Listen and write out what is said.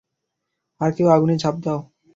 আরে কেউ আগুনে ঝাঁপ দাও।